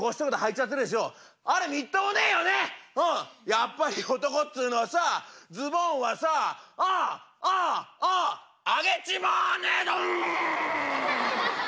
やっぱり男っつうのはさズボンはさああああああ上げちまわねえと！